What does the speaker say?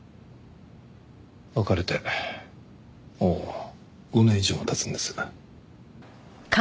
別れてもう５年以上も経つんです。